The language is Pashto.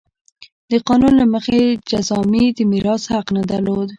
د قانون له مخې جذامي د میراث حق نه درلود.